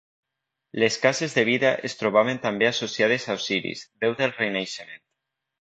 Les cases de Vida es trobaven també associades a Osiris, déu del renaixement.